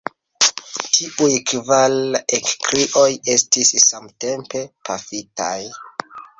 Tiuj kvar ekkrioj estis samtempe pafitaj.